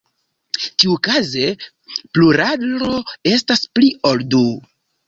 Tiukaze, pluralo estas "pli ol du".